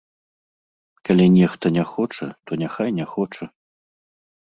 Калі нехта не хоча, то няхай не хоча.